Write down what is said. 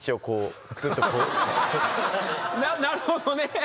なるほどね。